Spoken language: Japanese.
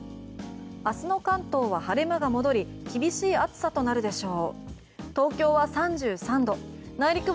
明日の関東は晴れ間が戻り厳しい暑さとなるでしょう。